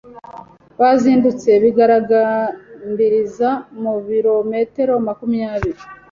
bazindutse bigaragambiriza mu birometero makumyabiri